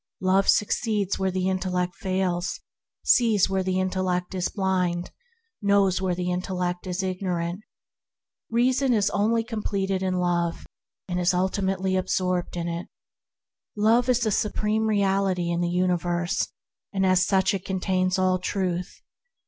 Love succeeds where the intellect fails; sees where the intellect is blind; knows where the intellect is ignorant. Reason is only com pleted in Love, and is ultimately absorbed in it. Love is the Supreme Reality in the universe, and as such it contains all Truth.